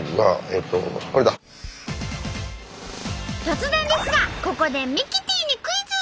突然ですがここでミキティにクイズ！